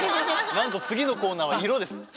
なんと次のコーナーは色です。